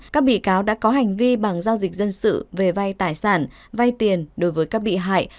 các bị cáo đã có hành vi bằng giao dịch dân sự về vay tài sản vay tiền đối với các bị hại